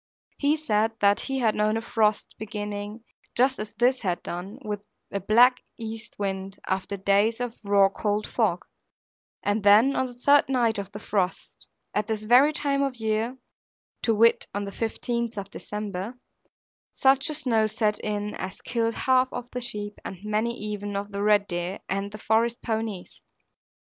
He said that he had known a frost beginning, just as this had done, with a black east wind, after days of raw cold fog, and then on the third night of the frost, at this very time of year (to wit on the 15th of December) such a snow set in as killed half of the sheep and many even of the red deer and the forest ponies.